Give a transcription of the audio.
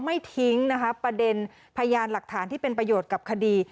ไม่ทิ้งประเด็นพยานอัลทรรภ์ที่เป็นประโยชน์กับคดี